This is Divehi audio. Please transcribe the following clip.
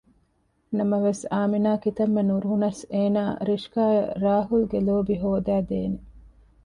ނަމަވެސް އާމިނާ ކިތަންމެ ނުރުހުނަސް އޭނާ ރިޝްކާއަށް ރާހުލްގެ ލޯބި ހޯދައިދޭނެ